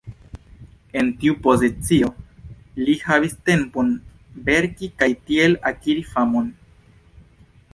En tiu pozicio li havis tempon verki kaj tiel akiri famon.